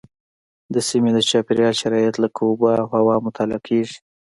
د سیمې د چاپیریال شرایط لکه اوبه او هوا مطالعه کېږي.